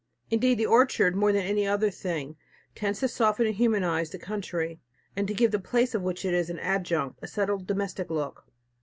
Indeed, the orchard, more than almost any other thing, tends to soften and humanize the country, and to give the place of which it is an adjunct, a settled, domestic look.